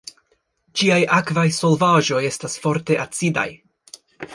Ĝiaj akvaj solvaĵoj estas forte acidaj.